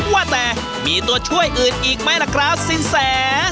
ว่าแต่มีตัวช่วยอื่นอีกไหมล่ะครับสินแส